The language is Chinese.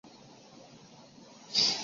我这辈子从未如此兴奋过。